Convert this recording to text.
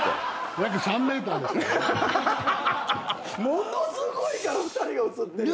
ものすごいから２人が映ってんの。